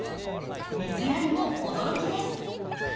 水やりも驚きです。